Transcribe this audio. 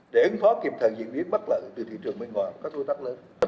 để ứng phó kiểm soát diễn biến bắt lợi từ thị trường bên ngoài các đối tác lớn